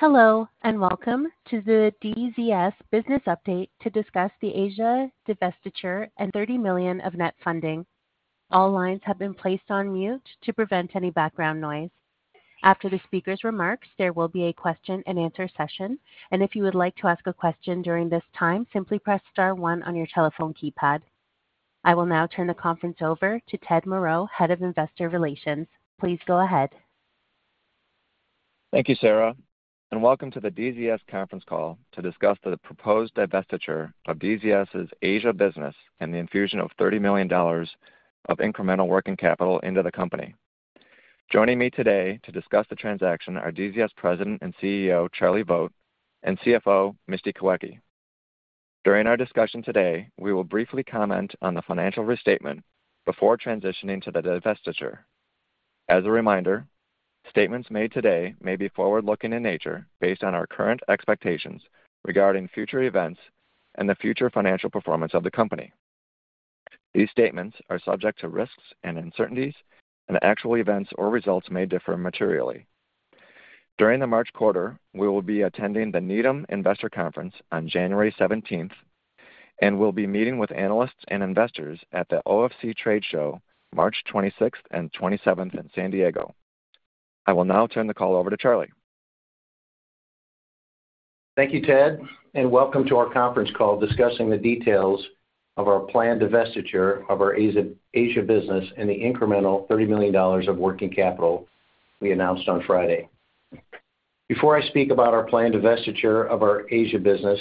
Hello, and welcome to the DZS Business Update to discuss the Asia divestiture and $30 million of net funding. All lines have been placed on mute to prevent any background noise. After the speaker's remarks, there will be a question-and-answer session, and if you would like to ask a question during this time, simply press star one on your telephone keypad. I will now turn the conference over to Ted Moreau, Head of Investor Relations. Please go ahead. Thank you, Sarah, and welcome to the DZS conference call to discuss the proposed divestiture of DZS's Asia business and the infusion of $30 million of incremental working capital into the company. Joining me today to discuss the transaction are DZS President and CEO, Charlie Vogt, and CFO, Misty Kawecki. During our discussion today, we will briefly comment on the financial restatement before transitioning to the divestiture. As a reminder, statements made today may be forward-looking in nature based on our current expectations regarding future events and the future financial performance of the company. These statements are subject to risks and uncertainties, and actual events or results may differ materially. During the March quarter, we will be attending the Needham Investor Conference on January 17th, and we'll be meeting with analysts and investors at the OFC Trade Show, March 26th and 27th in San Diego. I will now turn the call over to Charlie. Thank you, Ted, and welcome to our conference call discussing the details of our planned divestiture of our Asia business and the incremental $30 million of working capital we announced on Friday. Before I speak about our planned divestiture of our Asia business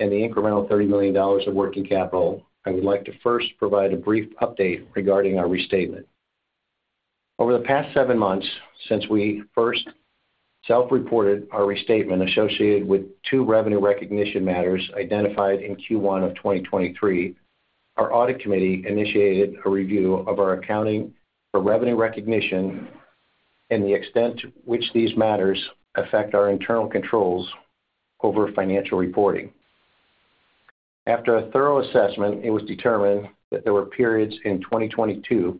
and the incremental $30 million of working capital, I would like to first provide a brief update regarding our restatement. Over the past seven months, since we first self-reported our restatement associated with two revenue recognition matters identified in Q1 of 2023, our audit committee initiated a review of our accounting for revenue recognition and the extent to which these matters affect our internal controls over financial reporting. After a thorough assessment, it was determined that there were periods in 2022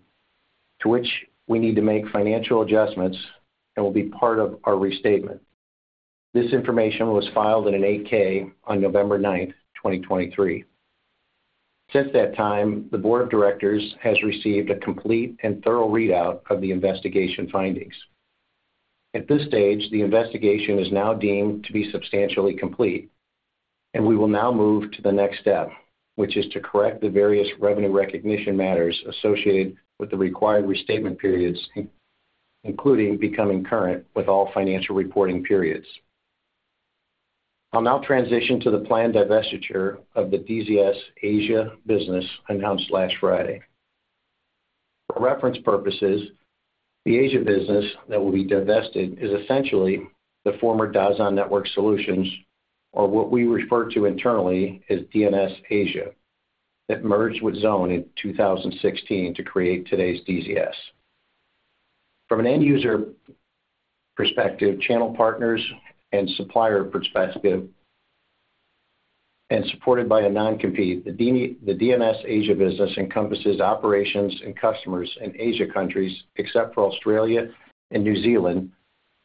to which we need to make financial adjustments and will be part of our restatement. This information was filed in an 8-K on November 9th, 2023. Since that time, the board of directors has received a complete and thorough readout of the investigation findings. At this stage, the investigation is now deemed to be substantially complete, and we will now move to the next step, which is to correct the various revenue recognition matters associated with the required restatement periods, including becoming current with all financial reporting periods. I'll now transition to the planned divestiture of the DZS Asia business announced last Friday. For reference purposes, the Asia business that will be divested is essentially the former DASAN Network Solutions, or what we refer to internally as DNS Asia, that merged with Zhone in 2016 to create today's DZS. From an end user perspective, channel partners and supplier perspective, and supported by a non-compete, the DNS Asia business encompasses operations and customers in Asian countries, except for Australia and New Zealand,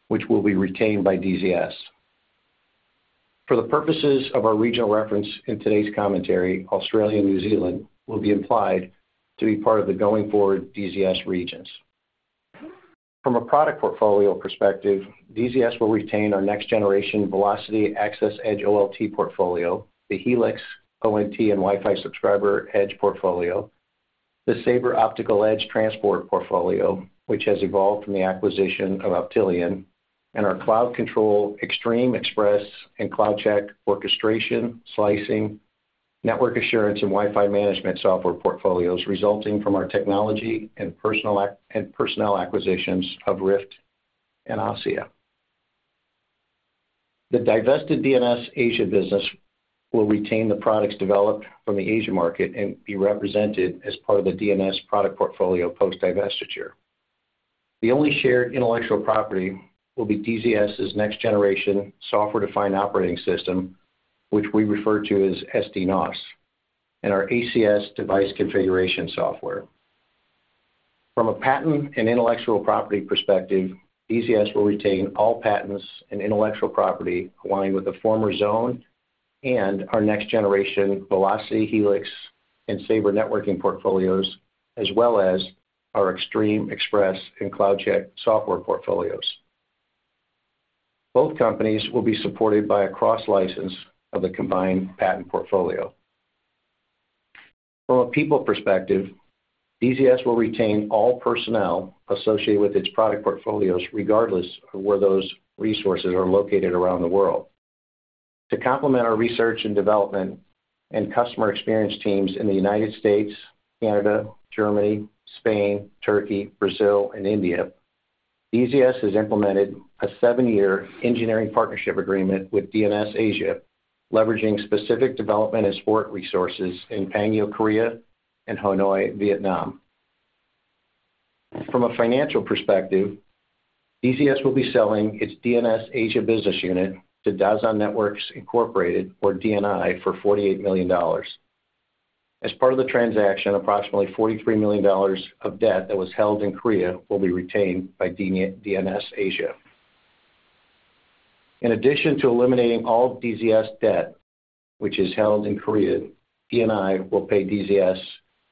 which will be retained by DZS. For the purposes of our regional reference in today's commentary, Australia and New Zealand will be implied to be part of the going-forward DZS regions. From a product portfolio perspective, DZS will retain our next-generation Velocity Access Edge OLT portfolio, the Helix ONT and Wi-Fi subscriber edge portfolio, the Saber optical edge transport portfolio, which has evolved from the acquisition of Optelian, and our CloudControl, Xtreme, Expresse, and CloudCheck orchestration, slicing, network assurance, and Wi-Fi management software portfolios resulting from our technology and personnel acquisitions of RIFT and ASSIA. The divested DNS Asia business will retain the products developed from the Asia market and be represented as part of the DNS product portfolio post-divestiture. The only shared intellectual property will be DZS's next-generation software-defined operating system, which we refer to as sdNOS, and our ACS device configuration software. From a patent and intellectual property perspective, DZS will retain all patents and intellectual property aligned with the former Zhone and our next-generation Velocity, Helix, and Saber networking portfolios, as well as our Xtreme, Expresse, and CloudCheck software portfolios. Both companies will be supported by a cross-license of the combined patent portfolio. From a people perspective, DZS will retain all personnel associated with its product portfolios, regardless of where those resources are located around the world. To complement our research and development and customer experience teams in the United States, Canada, Germany, Spain, Turkey, Brazil, and India, DZS has implemented a seven-year engineering partnership agreement with DNS Asia, leveraging specific development and support resources in Pangyo, Korea and Hanoi, Vietnam. From a financial perspective, DZS will be selling its DNS Asia business unit to DASAN Networks Inc., or DNI, for $48 million. As part of the transaction, approximately $43 million of debt that was held in Korea will be retained by DNS Asia. In addition to eliminating all of DZS debt, which is held in Korea, DNI will pay DZS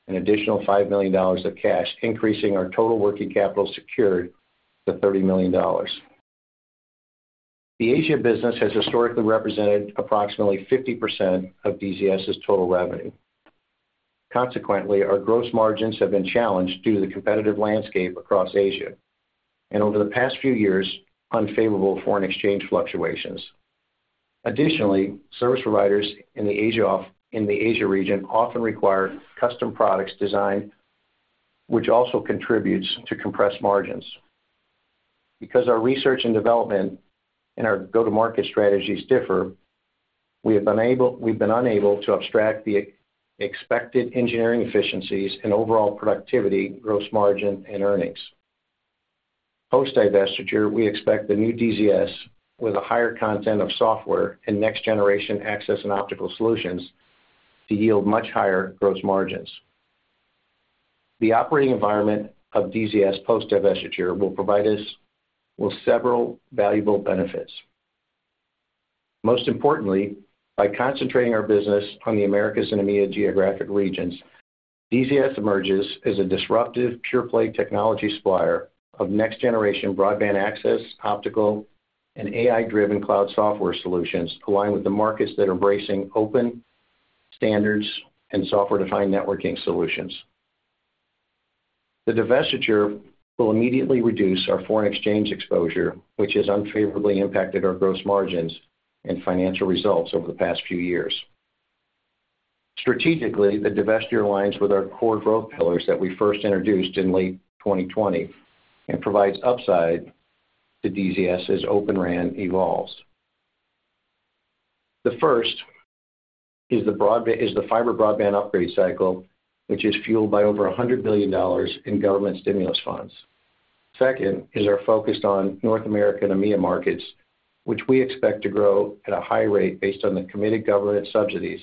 an additional $5 million of cash, increasing our total working capital secured to $30 million. The Asia business has historically represented approximately 50% of DZS's total revenue. Consequently, our gross margins have been challenged due to the competitive landscape across Asia, and over the past few years, unfavorable foreign exchange fluctuations. Additionally, service providers in the Asia region often require custom products design, which also contributes to compressed margins. Because our research and development and our go-to-market strategies differ, we've been unable to abstract the expected engineering efficiencies and overall productivity, gross margin, and earnings. Post divestiture, we expect the new DZS, with a higher content of software and next-generation access and optical solutions, to yield much higher gross margins. The operating environment of DZS post divestiture will provide us with several valuable benefits. Most importantly, by concentrating our business on the Americas and EMEA geographic regions, DZS emerges as a disruptive, pure-play technology supplier of next-generation broadband access, optical, and AI-driven cloud software solutions, aligned with the markets that are embracing open standards and software-defined networking solutions. The divestiture will immediately reduce our foreign exchange exposure, which has unfavorably impacted our gross margins and financial results over the past few years. Strategically, the divestiture aligns with our core growth pillars that we first introduced in late 2020, and provides upside to DZS as Open RAN evolves. The first is the fiber broadband upgrade cycle, which is fueled by over $100 billion in government stimulus funds. Second, is our focus on North America and EMEA markets, which we expect to grow at a high rate based on the committed government subsidies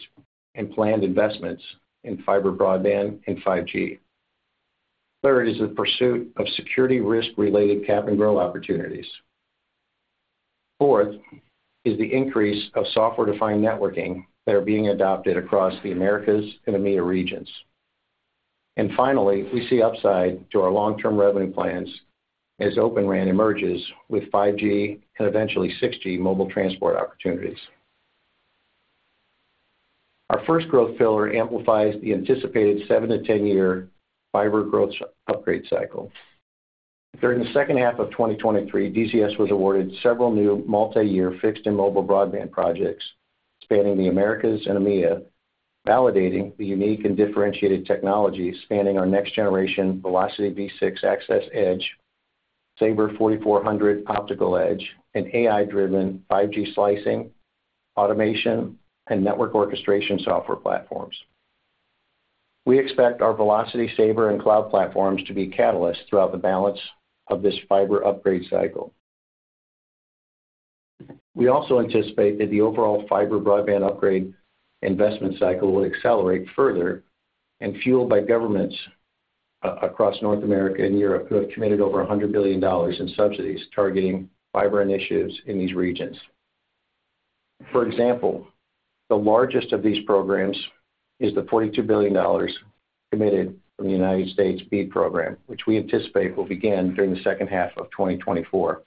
and planned investments in fiber, broadband, and 5G. Third, is the pursuit of security risk-related cap and grow opportunities. Fourth, is the increase of software-defined networking that are being adopted across the Americas and EMEA regions. And finally, we see upside to our long-term revenue plans as Open RAN emerges with 5G and eventually 6G mobile transport opportunities. Our first growth pillar amplifies the anticipated 7-10-year fiber growth upgrade cycle. During the second half of 2023, DZS was awarded several new multiyear fixed and mobile broadband projects spanning the Americas and EMEA, validating the unique and differentiated technologies spanning our next-generation Velocity V6 access edge, Saber 4400 optical edge, and AI-driven 5G slicing, automation, and network orchestration software platforms. We expect our Velocity, Saber, and cloud platforms to be catalysts throughout the balance of this fiber upgrade cycle. We also anticipate that the overall fiber broadband upgrade investment cycle will accelerate further and fueled by governments across North America and Europe, who have committed over $100 billion in subsidies targeting fiber initiatives in these regions. For example, the largest of these programs is the $42 billion committed from the United States BEAD program, which we anticipate will begin during the second half of 2024.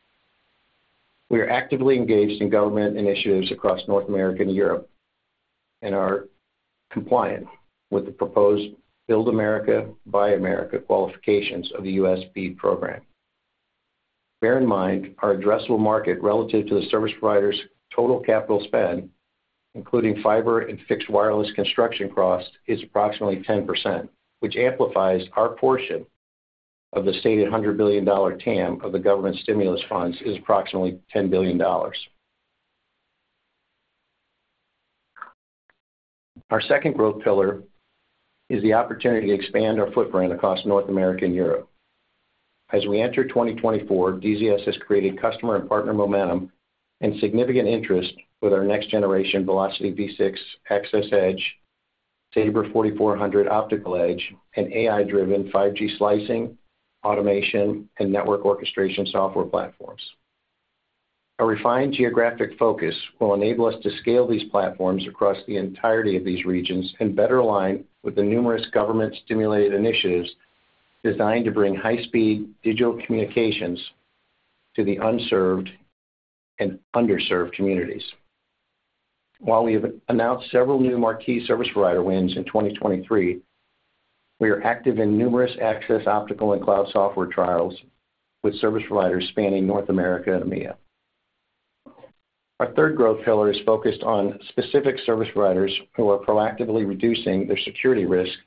We are actively engaged in government initiatives across North America and Europe, and are compliant with the proposed Build America, Buy America qualifications of the US BEAD program. Bear in mind, our addressable market relative to the service provider's total capital spend, including fiber and fixed wireless construction cost, is approximately 10%, which amplifies our portion of the stated $100 billion TAM of the government stimulus funds, is approximately $10 billion. Our second growth pillar is the opportunity to expand our footprint across North America and Europe. As we enter 2024, DZS has created customer and partner momentum and significant interest with our next-generation Velocity V6 access edge, Saber 4400 optical edge, and AI-driven 5G slicing, automation, and network orchestration software platforms. A refined geographic focus will enable us to scale these platforms across the entirety of these regions and better align with the numerous government-stimulated initiatives designed to bring high-speed digital communications to the unserved and underserved communities. While we have announced several new marquee service provider wins in 2023, we are active in numerous access, optical, and cloud software trials with service providers spanning North America and EMEA. Our third growth pillar is focused on specific service providers who are proactively reducing their security risk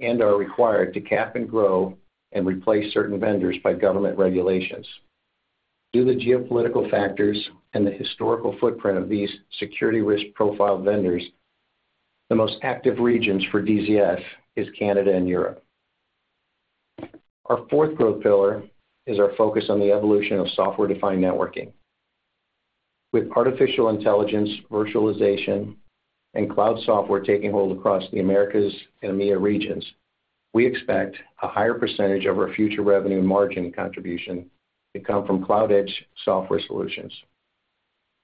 and are required to cap and grow and replace certain vendors by government regulations. Due to geopolitical factors and the historical footprint of these security risk profile vendors, the most active regions for DZS is Canada and Europe. Our fourth growth pillar is our focus on the evolution of software-defined networking. With artificial intelligence, virtualization, and cloud software taking hold across the Americas and EMEA regions, we expect a higher percentage of our future revenue and margin contribution to come from cloud edge software solutions.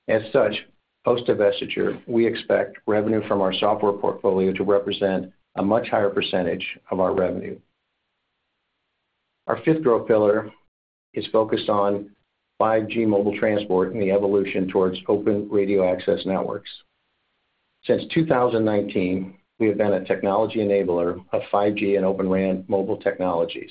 As such, post-divestiture, we expect revenue from our software portfolio to represent a much higher percentage of our revenue. Our fifth growth pillar is focused on 5G mobile transport and the evolution towards open radio access networks. Since 2019, we have been a technology enabler of 5G and Open RAN mobile technologies.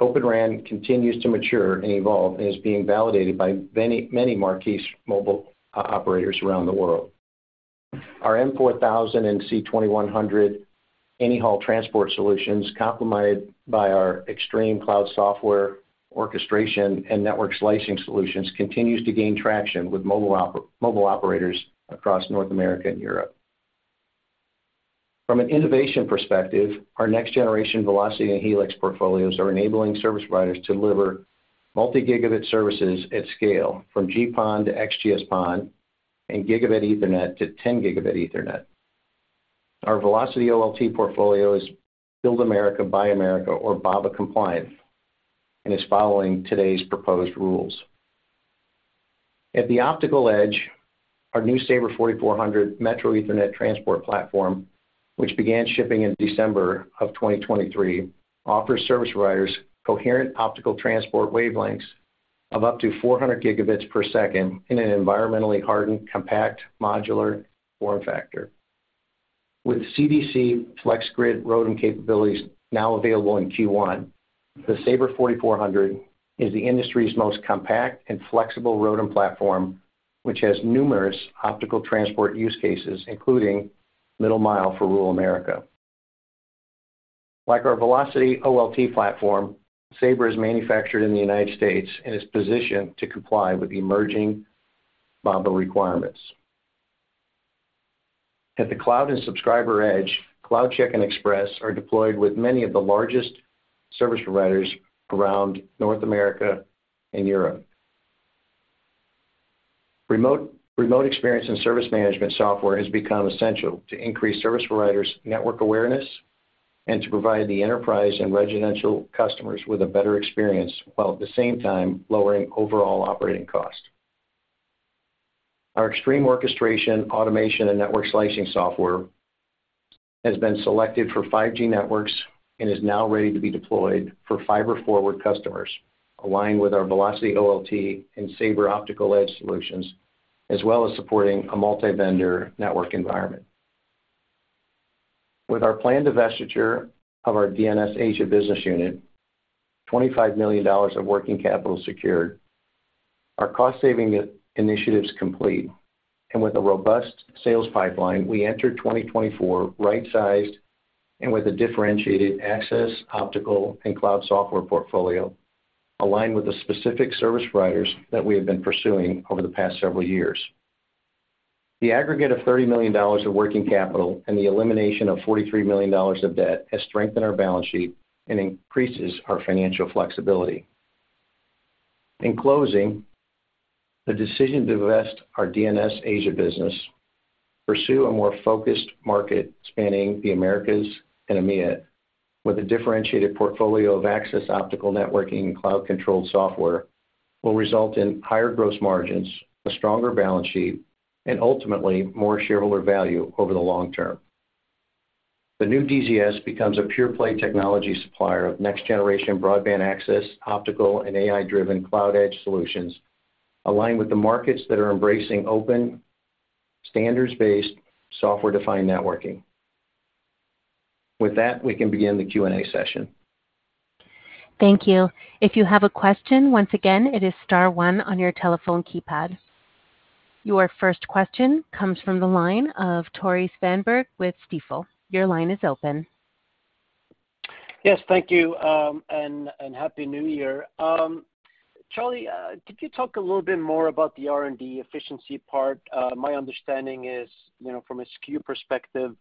Open RAN continues to mature and evolve and is being validated by many, many marquee mobile operators around the world. Our M4000 and C2100 Anyhaul transport solutions, complemented by our Xtreme Cloud software, orchestration, and network slicing solutions, continues to gain traction with mobile operators across North America and Europe. From an innovation perspective, our next-generation Velocity and Helix portfolios are enabling service providers to deliver multi-gigabit services at scale, from GPON to XGS-PON and Gigabit Ethernet to 10 Gb Ethernet. Our Velocity OLT portfolio is Build America, Buy America or BABA compliant, and is following today's proposed rules. At the optical edge, our new Saber 4400 metro Ethernet transport platform, which began shipping in December of 2023, offers service providers coherent optical transport wavelengths of up to 400 gigabits per second in an environmentally hardened, compact, modular form factor. With CDC FlexGrid ROADM capabilities now available in Q1, the Saber 4400 is the industry's most compact and flexible ROADM platform, which has numerous optical transport use cases, including middle mile for rural America. Like our Velocity OLT platform, Saber is manufactured in the United States and is positioned to comply with the emerging BABA requirements. At the cloud and subscriber edge, CloudCheck and Expresse are deployed with many of the largest service providers around North America and Europe. Remote, remote experience and service management software has become essential to increase service providers' network awareness and to provide the enterprise and residential customers with a better experience, while at the same time, lowering overall operating costs. Our Xtreme orchestration, automation, and network slicing software has been selected for 5G networks and is now ready to be deployed for fiber forward customers, aligned with our Velocity OLT and Saber Saberoptical edge solutions, as well as supporting a multi-vendor network environment. With our planned divestiture of our DNS Asia business unit, $25 million of working capital secured, our cost-saving initiatives complete, and with a robust sales pipeline, we entered 2024 right-sized and with a differentiated access, optical, and cloud software portfolio, aligned with the specific service providers that we have been pursuing over the past several years. The aggregate of $30 million of working capital and the elimination of $43 million of debt has strengthened our balance sheet and increases our financial flexibility. In closing, the decision to divest our DNS Asia business, pursue a more focused market spanning the Americas and EMEA, with a differentiated portfolio of access, optical networking, and cloud-controlled software, will result in higher gross margins, a stronger balance sheet, and ultimately, more shareholder value over the long term. The new DZS becomes a pure-play technology supplier of next-generation broadband access, optical, and AI-driven cloud edge solutions, aligned with the markets that are embracing open, standards-based, software-defined networking. With that, we can begin the Q&A session. Thank you. If you have a question, once again, it is star one on your telephone keypad. Your first question comes from the line of Tore Svanberg with Stifel. Your line is open. Yes, thank you, and Happy New Year. Charlie, could you talk a little bit more about the R&D efficiency part? My understanding is, you know, from a SKU perspective,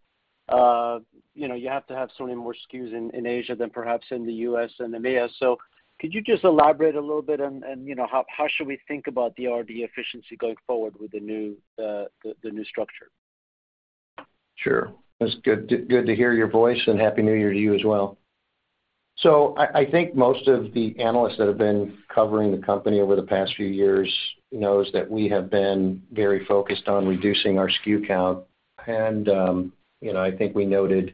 you know, you have to have so many more SKUs in Asia than perhaps in the US and EMEA. So could you just elaborate a little bit on, and, you know, how should we think about the R&D efficiency going forward with the new, the new structure? Sure. It's good to, good to hear your voice, and Happy New Year to you as well. So I, I think most of the analysts that have been covering the company over the past few years knows that we have been very focused on reducing our SKU count. And, you know, I think we noted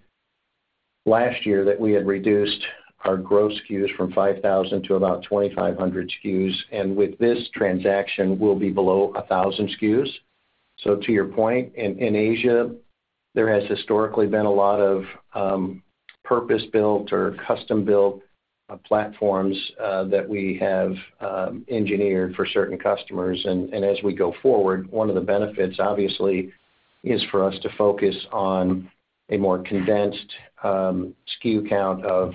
last year that we had reduced our gross SKUs from 5,000 to about 2,500 SKUs, and with this transaction, we'll be below 1,000 SKUs. So to your point, in Asia, there has historically been a lot of purpose-built or custom-built platforms that we have engineered for certain customers. And as we go forward, one of the benefits, obviously, is for us to focus on a more condensed SKU count of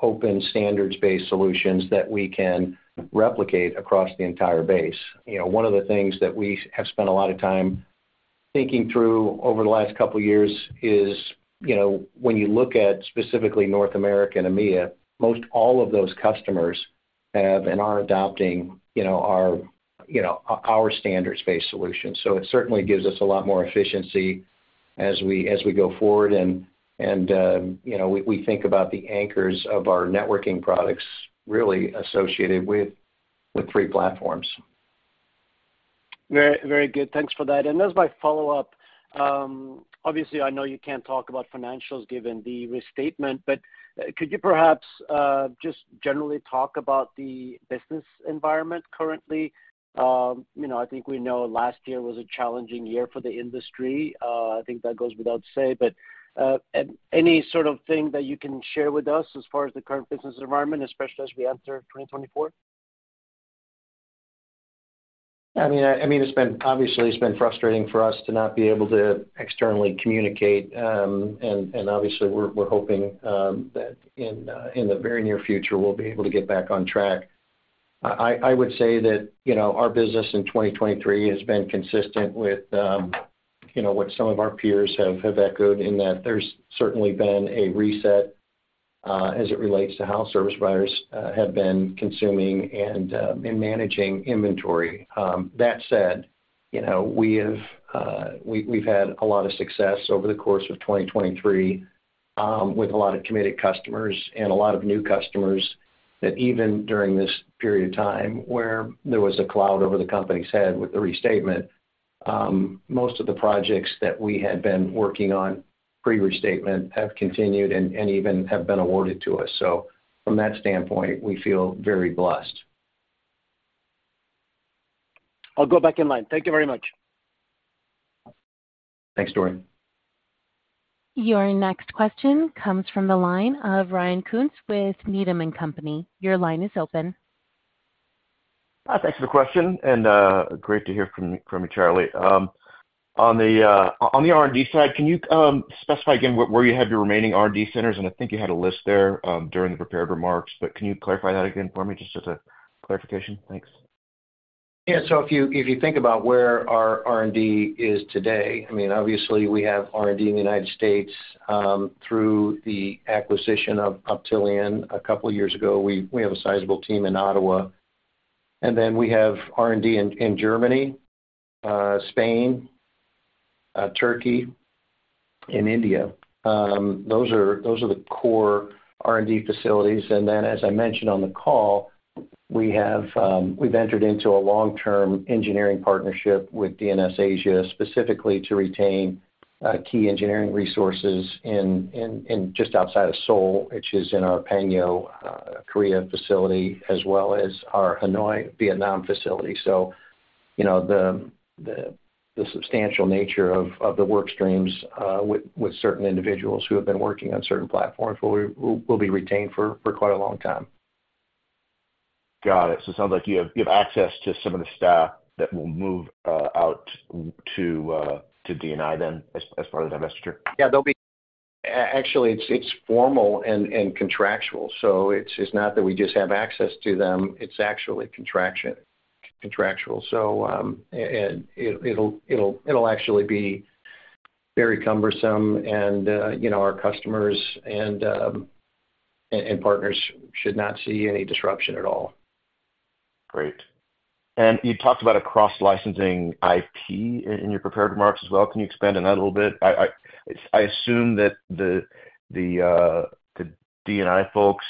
open standards-based solutions that we can replicate across the entire base. You know, one of the things that we have spent a lot of time thinking through over the last couple of years is, you know, when you look at specifically North America and EMEA, most all of those customers have and are adopting, you know, our, you know, our standards-based solutions. So it certainly gives us a lot more efficiency as we go forward. And you know, we think about the anchors of our networking products really associated with three platforms. Very, very good. Thanks for that. And as my follow-up, obviously, I know you can't talk about financials given the restatement, but, could you perhaps, just generally talk about the business environment currently? You know, I think we know last year was a challenging year for the industry. I think that goes without saying. But, and any sort of thing that you can share with us as far as the current business environment, especially as we enter 2024? I mean, it's been obviously frustrating for us to not be able to externally communicate. And obviously, we're hoping that in the very near future, we'll be able to get back on track. I would say that, you know, our business in 2023 has been consistent with, you know, what some of our peers have echoed, in that there's certainly been a reset as it relates to how service providers have been consuming and managing inventory. That said, you know, we've had a lot of success over the course of 2023, with a lot of committed customers and a lot of new customers, that even during this period of time where there was a cloud over the company's head with the restatement, most of the projects that we had been working on pre-restatement have continued and, and even have been awarded to us. So from that standpoint, we feel very blessed. I'll go back in line. Thank you very much. Thanks, Tore. Your next question comes from the line of Ryan Koontz with Needham & Company. Your line is open. Thanks for the question, and great to hear from you, Charlie. On the R&D side, can you specify again where you have your remaining R&D centers? And I think you had a list there during the prepared remarks, but can you clarify that again for me, just as a clarification? Thanks. Yeah. So if you think about where our R&D is today, I mean, obviously, we have R&D in the United States through the acquisition of Optelian a couple of years ago. We have a sizable team in Ottawa, and then we have R&D in Germany, Spain, Turkey, and India. Those are the core R&D facilities. And then, as I mentioned on the call, we've entered into a long-term engineering partnership with DNS Asia, specifically to retain key engineering resources in just outside of Seoul, which is in our Pangyo, Korea facility, as well as our Hanoi, Vietnam facility. You know, the substantial nature of the work streams with certain individuals who have been working on certain platforms will be retained for quite a long time. Got it. So it sounds like you have access to some of the staff that will move out to DNI then, as part of the divestiture? Yeah, they'll be. Actually, it's formal and contractual, so it's not that we just have access to them, it's actually contractual. So, it'll actually be very cumbersome, you know, our customers and partners should not see any disruption at all. Great. And you talked about a cross-licensing IP in your prepared remarks as well. Can you expand on that a little bit? I assume that the DNI folks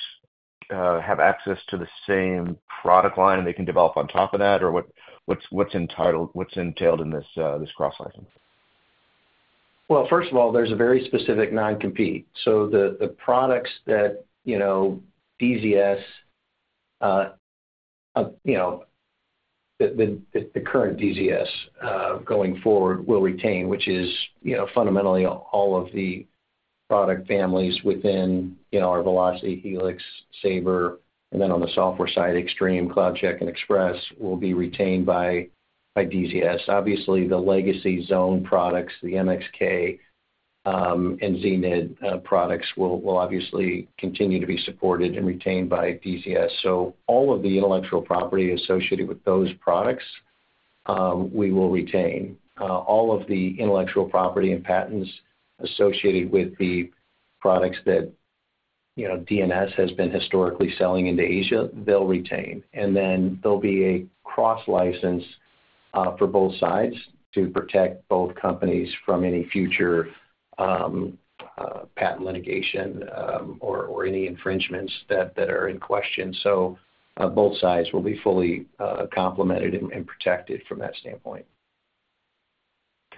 have access to the same product line, and they can develop on top of that, or what's entitled—what's entailed in this cross-licensing? Well, first of all, there's a very specific non-compete. So the products that, you know, DZS, you know, the current DZS going forward will retain, which is, you know, fundamentally all of the product families within our Velocity, Helix, Saber, and then on the software side, Xtreme, CloudCheck, and Expresse, will be retained by DZS. Obviously, the legacy Zhone products, the MXK and zNID products will obviously continue to be supported and retained by DZS. So all of the intellectual property associated with those products, we will retain. All of the intellectual property and patents associated with the products that, you know, DNS has been historically selling into Asia, they'll retain. And then there'll be a cross-license for both sides to protect both companies from any future patent litigation or any infringements that are in question. So both sides will be fully complemented and protected from that standpoint.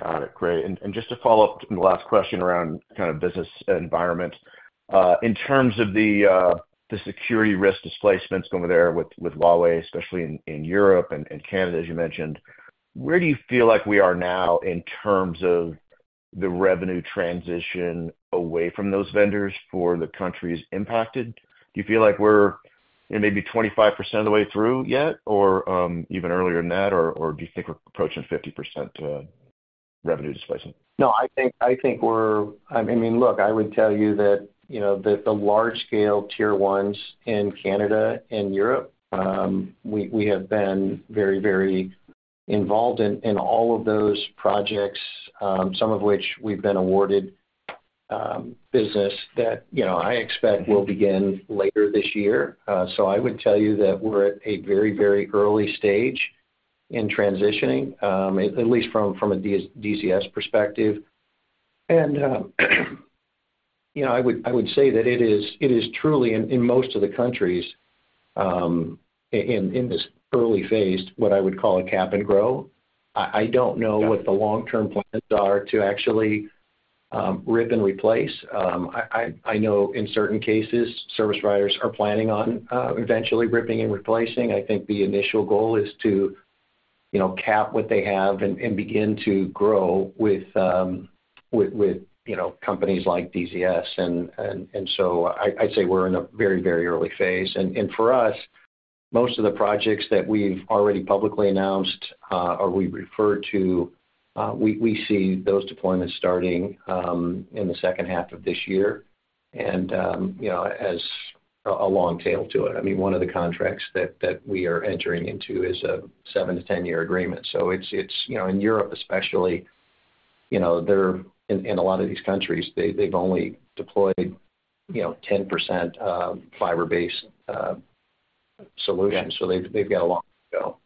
Got it. Great. And just to follow up the last question around kind of business environment. In terms of the security risk displacements over there with Huawei, especially in Europe and Canada, as you mentioned, where do you feel like we are now in terms of the revenue transition away from those vendors for the countries impacted? Do you feel like we're maybe 25% of the way through yet, or even earlier than that, or do you think we're approaching 50% revenue displacement? No, I think we're—I mean, look—I would tell you that, you know, the large-scale tier ones in Canada and Europe, we have been very, very involved in all of those projects, some of which we've been awarded business that, you know, I expect will begin later this year. So I would tell you that we're at a very, very early stage in transitioning, at least from a DZS perspective. And, you know, I would say that it is truly in most of the countries in this early phase, what I would call a cap and grow. I don't know what the long-term plans are to actually rip and replace. I know in certain cases, service providers are planning on eventually ripping and replacing. I think the initial goal is to, you know, cap what they have and begin to grow with, you know, companies like DZS. And so I, I'd say we're in a very, very early phase. And for us, most of the projects that we've already publicly announced, or we referred to, we see those deployments starting in the second half of this year. And, you know, as a long tail to it. I mean, one of the contracts that we are entering into is a 7-10 year agreement. So it's, you know, in Europe, especially, you know, they're in a lot of these countries, they, they've only deployed, you know, 10% fiber-based solutions. So they've got a long way to go.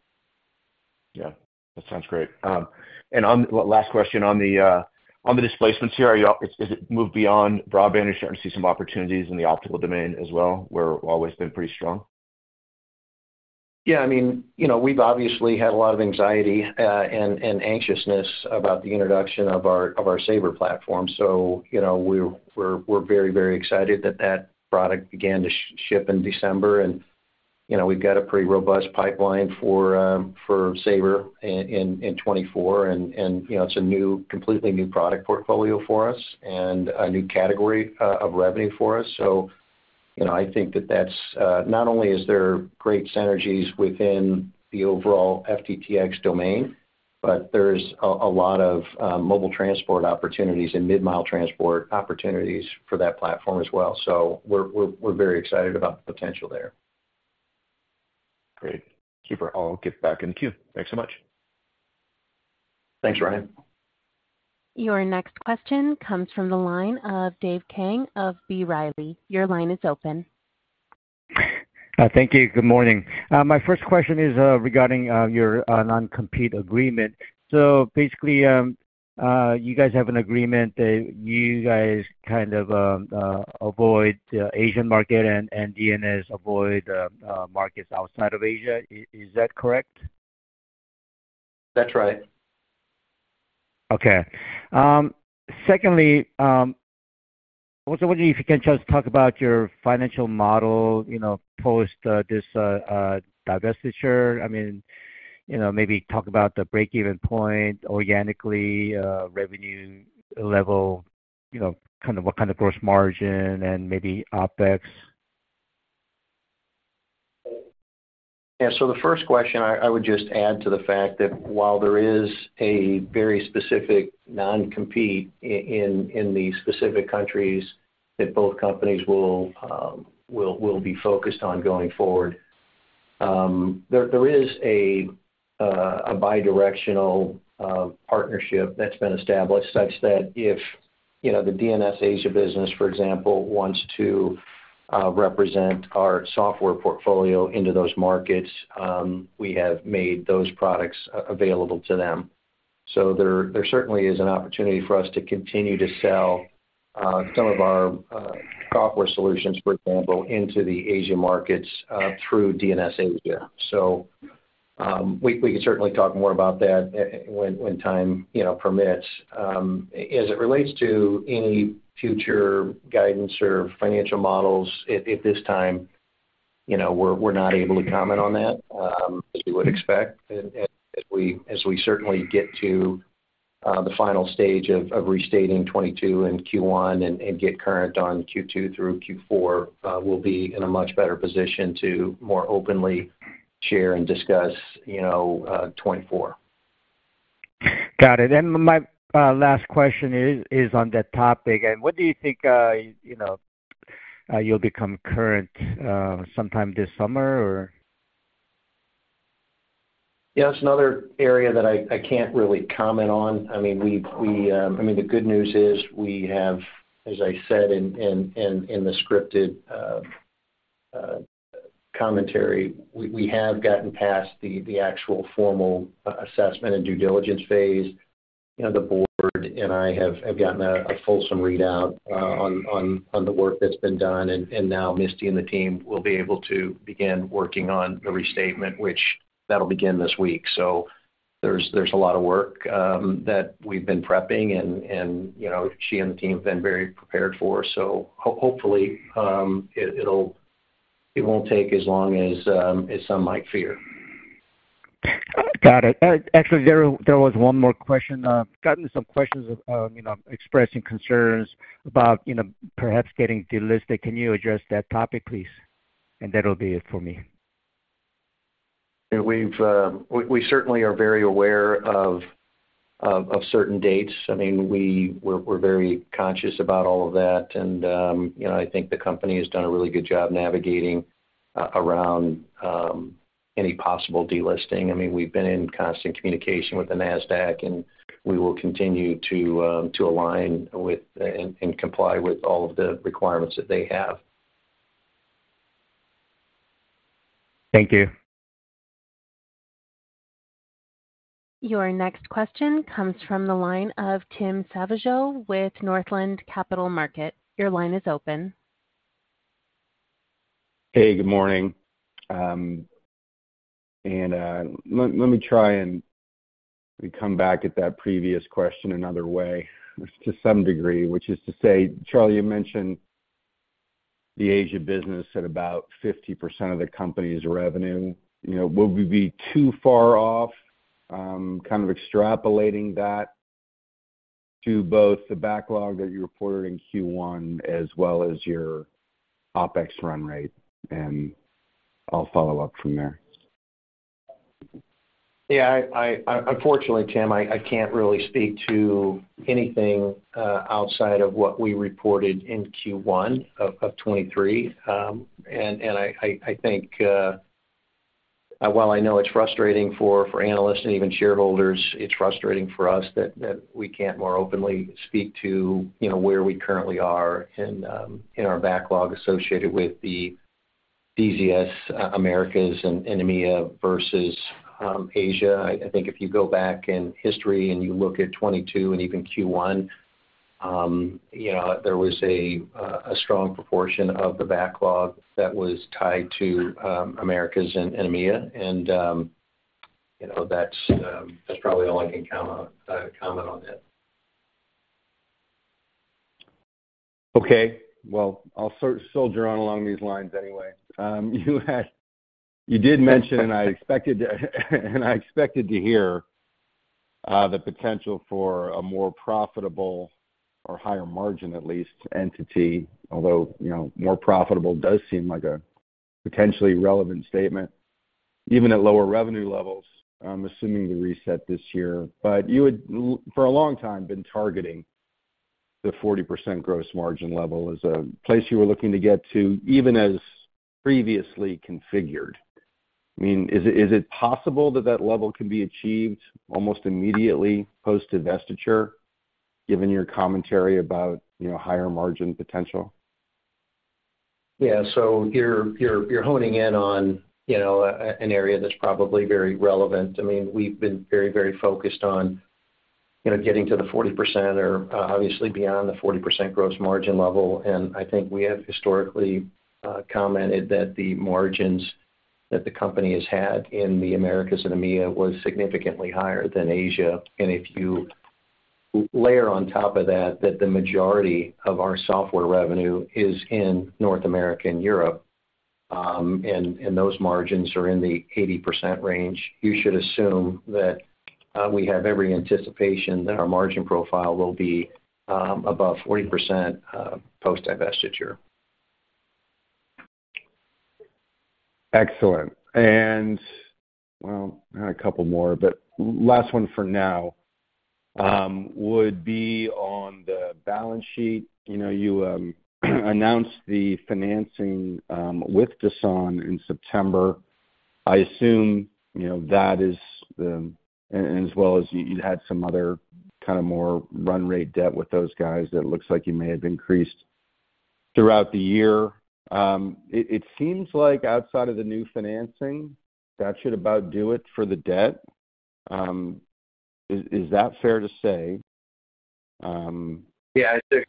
Yeah, that sounds great. Last question on the displacements here, are you all- has it moved beyond broadband? Are you starting to see some opportunities in the optical domain as well, where you've always been pretty strong? Yeah, I mean, you know, we've obviously had a lot of anxiety and anxiousness about the introduction of our Saber platform. So, you know, we're very excited that that product began to ship in December. And, you know, we've got a pretty robust pipeline for Saber in 2024. And, you know, it's a completely new product portfolio for us and a new category of revenue for us. So, you know, I think that that's not only great synergies within the overall FTTX domain, but there's a lot of mobile transport opportunities and mid-mile transport opportunities for that platform as well. So we're very excited about the potential there. Great. Thank you for... I'll get back in the queue. Thanks so much. Thanks, Ryan. Your next question comes from the line of Dave Kang of B. Riley. Your line is open. Thank you. Good morning. My first question is regarding your non-compete agreement. So basically, you guys have an agreement that you guys kind of avoid the Asian market and DNS avoid markets outside of Asia. Is that correct? That's right. Okay. Secondly, I was wondering if you can just talk about your financial model, you know, post this divestiture. I mean, you know, maybe talk about the break-even point organically, revenue level, you know, kind of what kind of gross margin and maybe OpEx. Yeah. So the first question, I would just add to the fact that while there is a very specific non-compete in the specific countries that both companies will be focused on going forward, there is a bidirectional partnership that's been established such that if, you know, the DNS Asia business, for example, wants to represent our software portfolio into those markets, we have made those products available to them. So there certainly is an opportunity for us to continue to sell some of our software solutions, for example, into the Asia markets through DNS Asia. So we can certainly talk more about that when time, you know, permits. As it relates to any future guidance or financial models, at this time, you know, we're not able to comment on that, as you would expect. As we certainly get to the final stage of restating 2022 and Q1 and get current on Q2 through Q4, we'll be in a much better position to more openly share and discuss, you know, 2024. Got it. My last question is on that topic. What do you think, you know, you'll become current sometime this summer, or? Yeah, it's another area that I can't really comment on. I mean, the good news is we have, as I said, in the scripted commentary, we have gotten past the actual formal assessment and due diligence phase. You know, the board and I have gotten a fulsome readout on the work that's been done, and now Misty and the team will be able to begin working on the restatement, which that'll begin this week. So there's a lot of work that we've been prepping and, you know, she and the team have been very prepared for. So hopefully, it'll won't take as long as some might fear. Got it. Actually, there was one more question. Gotten some questions of, you know, expressing concerns about, you know, perhaps getting delisted. Can you address that topic, please? That'll be it for me. Yeah, we certainly are very aware of certain dates. I mean, we're very conscious about all of that. And, you know, I think the company has done a really good job navigating around any possible delisting. I mean, we've been in constant communication with the Nasdaq, and we will continue to align with and comply with all of the requirements that they have. Thank you. Your next question comes from the line of Tim Savageaux with Northland Capital Markets. Your line is open. Hey, good morning. And let me try and come back at that previous question another way, to some degree, which is to say, Charlie, you mentioned the Asia business at about 50% of the company's revenue. You know, would we be too far off, kind of extrapolating that to both the backlog that you reported in Q1 as well as your OpEx run rate? And I'll follow up from there. Yeah, unfortunately, Tim, I can't really speak to anything outside of what we reported in Q1 of 2023. And I think, while I know it's frustrating for analysts and even shareholders, it's frustrating for us that we can't more openly speak to, you know, where we currently are in our backlog associated with the DZS Americas and EMEA versus Asia. I think if you go back in history and you look at 2022 and even Q1, you know, there was a strong proportion of the backlog that was tied to Americas and EMEA, and, you know, that's probably all I can comment on it. Okay. Well, I'll soldier on along these lines anyway. You had—you did mention, and I expected, and I expected to hear, the potential for a more profitable or higher margin, at least, entity, although, you know, more profitable does seem like a potentially relevant statement, even at lower revenue levels, I'm assuming the reset this year. But you had, for a long time, been targeting the 40% gross margin level as a place you were looking to get to, even as previously configured. I mean, is it, is it possible that that level can be achieved almost immediately post-divestiture, given your commentary about, you know, higher margin potential? Yeah. So you're honing in on, you know, an area that's probably very relevant. I mean, we've been very, very focused on, you know, getting to the 40% or, obviously beyond the 40% gross margin level. And I think we have historically commented that the margins that the company has had in the Americas and EMEA was significantly higher than Asia. And if you layer on top of that, that the majority of our software revenue is in North America and Europe, and those margins are in the 80% range, you should assume that we have every anticipation that our margin profile will be above 40%, post-divestiture. Excellent. Well, I had a couple more, but last one for now would be on the balance sheet. You know, you announced the financing with DASAN in September. I assume, you know, that is the—and as well as you had some other kind of more run-rate debt with those guys, that looks like you may have increased throughout the year. It seems like outside of the new financing, that should about do it for the debt. Is that fair to say? Yeah, it's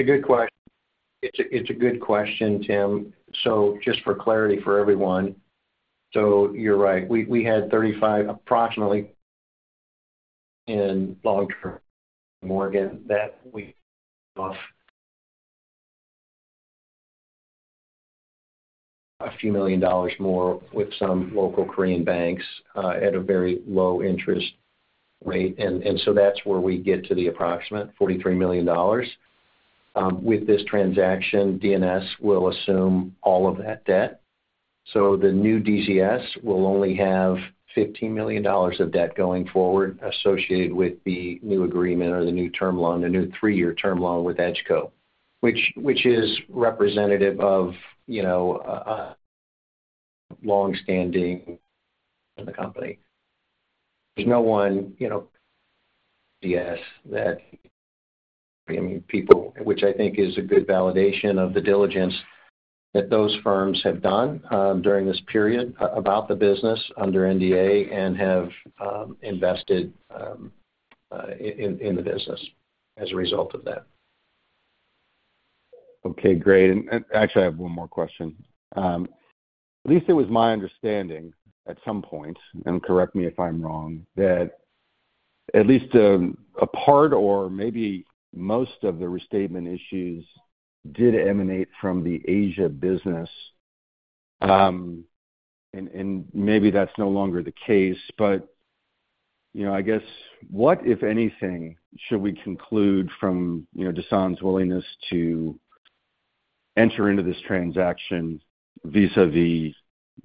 a good question. It's a good question, Tim. So just for clarity for everyone, so you're right. We had 35, approximately, in long-term Morgan. A few million dollars more with some local Korean banks at a very low-interest rate. So that's where we get to the approximate $43 million. With this transaction, DNS will assume all of that debt, so the new DZS will only have $15 million of debt going forward associated with the new agreement or the new term loan, the new three-year term loan with EdgeCo, which is representative of, you know, long-standing in the company. There's no one, you know, DNS that, I mean, people, which I think is a good validation of the diligence that those firms have done during this period about the business under NDA and have invested in the business as a result of that. Okay, great. And, and actually, I have one more question. At least it was my understanding at some point, and correct me if I'm wrong, that at least, a part or maybe most of the restatement issues did emanate from the Asia business. And, and maybe that's no longer the case, but, you know, I guess what, if anything, should we conclude from, you know, DASAN's willingness to enter into this transaction vis-a-vis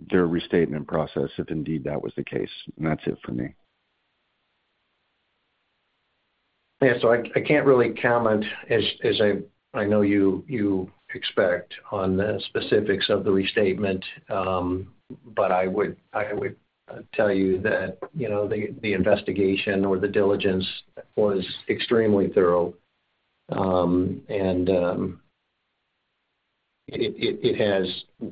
their restatement process, if indeed that was the case? And that's it for me.... Yeah, so I can't really comment as I know you expect on the specifics of the restatement. But I would tell you that, you know, the investigation or the diligence was extremely thorough. It has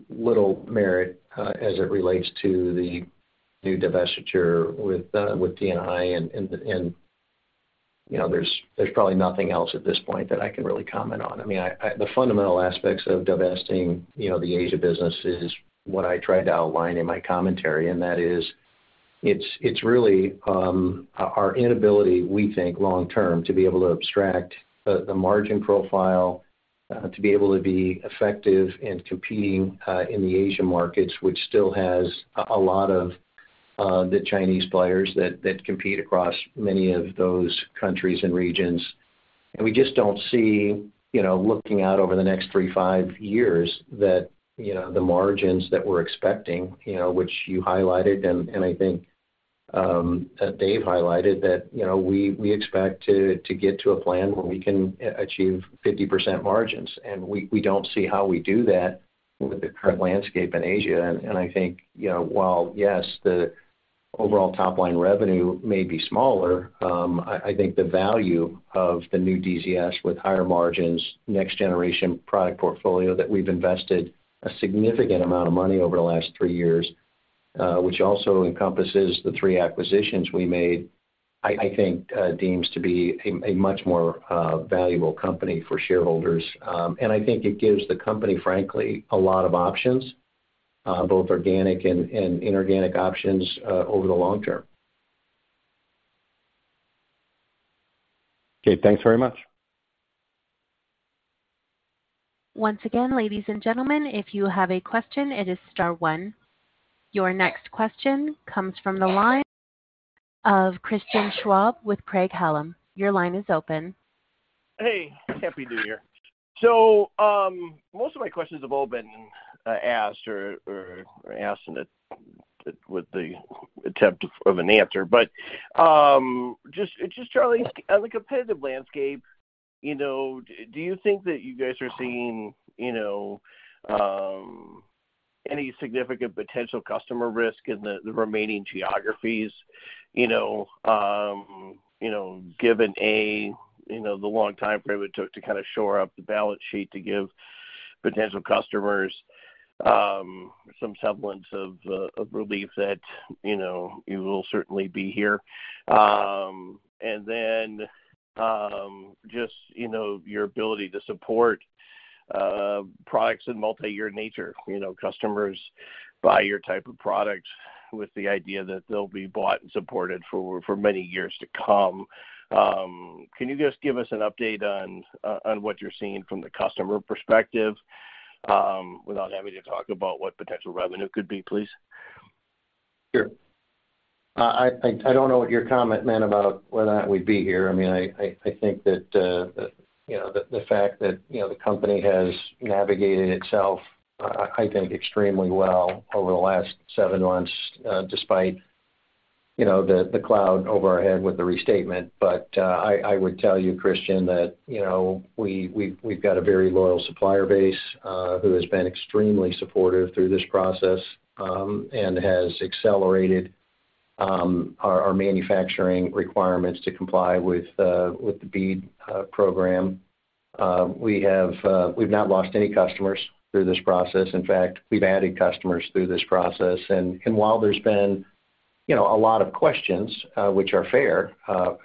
little merit as it relates to the new divestiture with DNI and, you know, there's probably nothing else at this point that I can really comment on. I mean, the fundamental aspects of divesting, you know, the Asia business is what I tried to outline in my commentary, and that is, it's really our inability, we think, long term, to be able to abstract the margin profile to be able to be effective in competing in the Asia markets, which still has a lot of the Chinese players that compete across many of those countries and regions. And we just don't see, you know, looking out over the next 3-5 years, that, you know, the margins that we're expecting, you know, which you highlighted, and I think Dave highlighted, that, you know, we expect to get to a plan where we can achieve 50% margins, and we don't see how we do that with the current landscape in Asia. And I think, you know, while, yes, the overall top-line revenue may be smaller, I think the value of the new DZS with higher margins, next generation product portfolio that we've invested a significant amount of money over the last three years, which also encompasses the three acquisitions we made, I think deems to be a much more valuable company for shareholders. I think it gives the company, frankly, a lot of options, both organic and inorganic, over the long term. Okay, thanks very much. Once again, ladies and gentlemen, if you have a question, it is star one. Your next question comes from the line of Christian Schwab with Craig-Hallum. Your line is open. Hey, happy new year. So, most of my questions have all been asked or asked with the attempt of an answer. But, just Charlie, on the competitive landscape, you know, do you think that you guys are seeing, you know, any significant potential customer risk in the remaining geographies? You know, given the long time frame it took to kind of shore up the balance sheet to give potential customers some semblance of relief that, you know, you will certainly be here. And then, you know, your ability to support products in multi-year nature. You know, customers buy your type of product with the idea that they'll be bought and supported for many years to come. Can you just give us an update on what you're seeing from the customer perspective, without having to talk about what potential revenue could be, please? Sure. I don't know what your comment meant about whether or not we'd be here. I mean, I think that, you know, the fact that, you know, the company has navigated itself, I think extremely well over the last seven months, despite, you know, the cloud over our head with the restatement. But, I would tell you, Christian, that, you know, we've got a very loyal supplier base, who has been extremely supportive through this process, and has accelerated, our manufacturing requirements to comply with, with the BEAD program. We have, we've not lost any customers through this process. In fact, we've added customers through this process. While there's been, you know, a lot of questions, which are fair,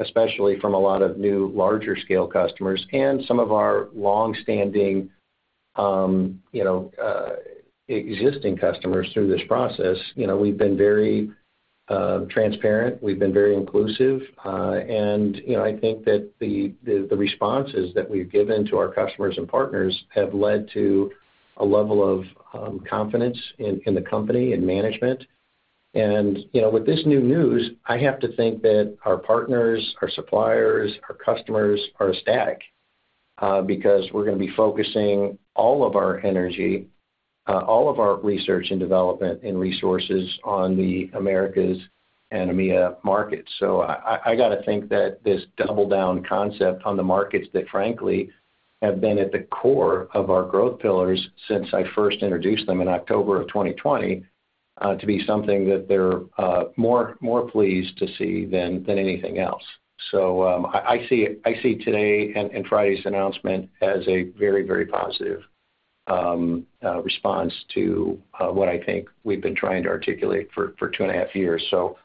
especially from a lot of new larger-scale customers and some of our long-standing, you know, existing customers through this process, you know, we've been very transparent. We've been very inclusive. And, you know, I think that the responses that we've given to our customers and partners have led to a level of confidence in the company and management. And, you know, with this new news, I have to think that our partners, our suppliers, our customers are ecstatic, because we're going to be focusing all of our energy, all of our research and development and resources on the Americas and EMEA markets. So I got to think that this double down concept on the markets that frankly have been at the core of our growth pillars since I first introduced them in October of 2020 to be something that they're more pleased to see than anything else. So I see today and Friday's announcement as a very positive response to what I think we've been trying to articulate for two and a half years. So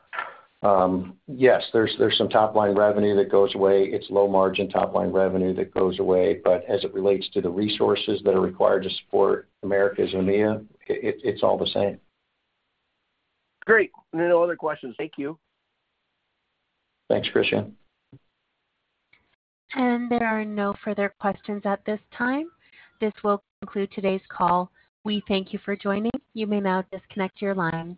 yes, there's some top-line revenue that goes away. It's low margin, top line revenue that goes away, but as it relates to the resources that are required to support Americas and EMEA, it's all the same. Great. No other questions. Thank you. Thanks, Christian. There are no further questions at this time. This will conclude today's call. We thank you for joining. You may now disconnect your lines.